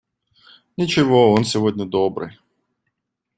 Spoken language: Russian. Ничего, он сегодня добрый.